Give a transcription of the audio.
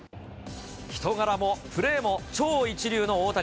人柄もプレーも超一流の大谷。